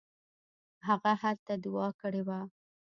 هغه هلته دوعا کړې وه.